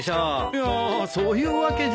いやそういうわけじゃ。